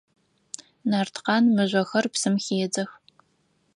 Нарткъан мыжъохэр псым хедзэх.